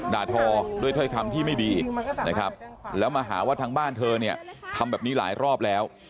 ด่าทอด้วยถ้อยคำที่ไม่ดีนะครับแล้วมาหาว่าทางบ้านเธอเนี่ยทำแบบนี้หลายรอบแล้ว